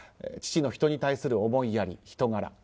父の人に対する思いやり、人柄